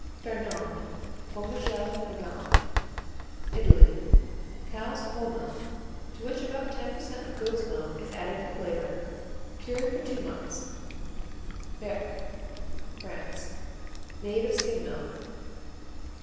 Bernarde, Formagelle Bernarde Italy Cow's whole milk, to which about 10% of goat's milk is added for flavor. Cured for two months. Berques France Made of skim milk.